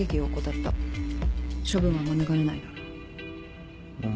処分は免れないだろう。